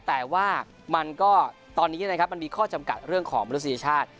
แต่ว่ามันก็ตอนนี้นะครับมันมีข้อจำกัดเรื่องของมนุษยชาติ